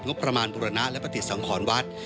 งบประมาณบุรณะและปฏิสังขรวัด